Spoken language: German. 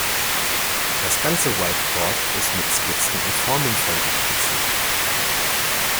Das ganze Whiteboard ist mit Skizzen und Formeln vollgekritzelt.